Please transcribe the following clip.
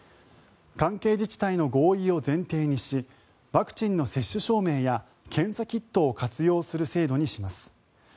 関係自治体の合意を前提にしワクチンの接種証明や検査キットを活用する制度にします。